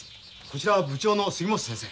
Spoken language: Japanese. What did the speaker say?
こちら部長の杉本先生。